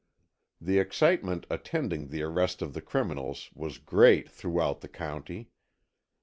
The excitement attending the arrest of the criminals was great throughout the county.